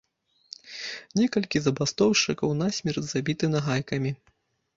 Некалькі забастоўшчыкаў насмерць забіты нагайкамі.